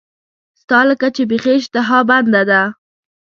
ستا لکه چې بیخي اشتها بنده ده.